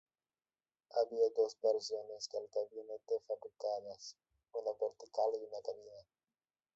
Había dos versiones del gabinete fabricadas, una vertical y una cabina.